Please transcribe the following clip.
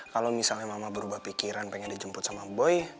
kalau misalnya mama berubah pikiran pengen dijemput sama boy